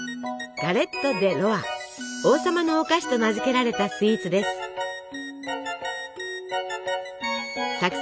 「王様のお菓子」と名付けられたスイーツです。